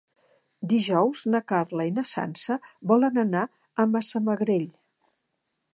Dijous na Carla i na Sança volen anar a Massamagrell.